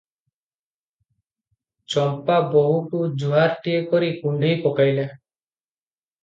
ଚମ୍ପା ବୋହୂକୁ ଜୁହାରଟିଏ କରି କୁଣ୍ଢେଇ ପକେଇଲା ।